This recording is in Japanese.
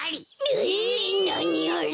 ええっなにあれ？